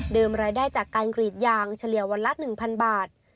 รายได้จากการกรีดยางเฉลี่ยวันละ๑๐๐บาท